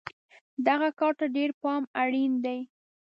دغه کار ته ډېر پام اړین دی.